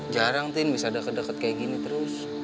jarang din bisa deket deket kayak gini terus